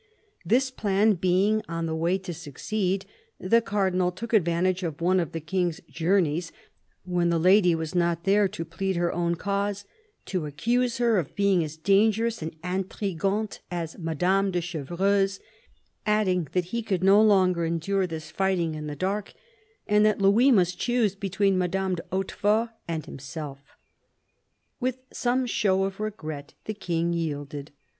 This plan being on the way to succeed, the Cardinal took advantage of one of the King's journeys, when the lady was not there to plead her own cause, to accuse her of being as dangerous an intrigante as Madame de Chevreuse, adding that he could no longer endure this fighting in the dark, and that Louis must choose between Madame de Hautefort and himself. With some show of regret, the King yielded.